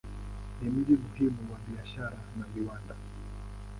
Ni mji muhimu wa biashara na viwanda.